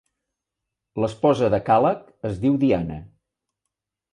L'esposa de Kalac es diu Diana.